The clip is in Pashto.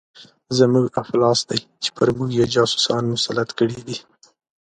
زموږ افلاس دی چې پر موږ یې جاسوسان مسلط کړي دي.